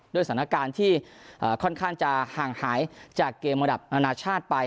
ด้วยสถานการณ์ที่ค่อนข้างจะห่างหายจากเกมระดับนานาชาติไป